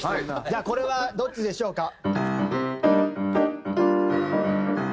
じゃあこれはどっちでしょうか？